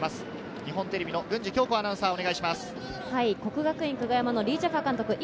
日本テレビの郡司恭子アナウンサーです。